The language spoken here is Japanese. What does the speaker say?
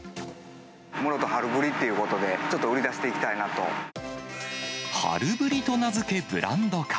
室戸春ブリということで、春ぶりと名付け、ブランド化。